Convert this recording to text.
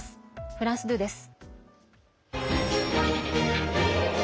フランス２です。